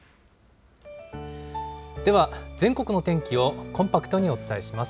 では、全国の天気をコンパクトにお伝えします。